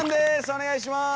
お願いします。